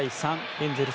エンゼルス